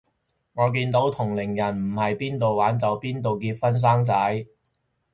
我見到同齡人唔係邊到玩就邊個結婚生仔